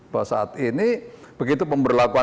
bahwa saat ini begitu berhasil ya kita bisa melakukan